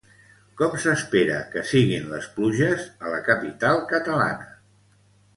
Com s'espera que siguin les pluges a la capital catalana?